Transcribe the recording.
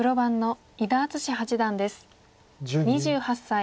２８歳。